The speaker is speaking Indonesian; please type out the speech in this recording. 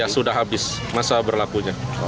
sudah habis masa berlakunya